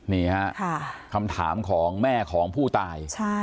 นี่ฮะคำถามของแม่ของผู้ตาย